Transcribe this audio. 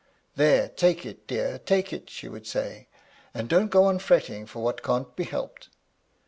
" There ! take it, dear, take it !" she would say ;" and don't go on fretting for what can't be helped."